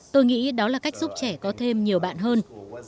tôi nghĩ đó là cách giúp trẻ có thêm nhiều bạn hơn